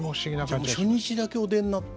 じゃあ初日だけお出になって。